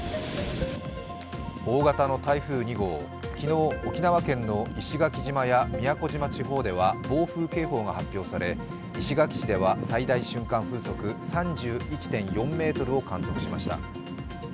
大型の台風２号昨日、沖縄県の石垣島や宮古島地方では暴風警報が発表され、石垣市では最大瞬間風速３１．４メートルを観測しました。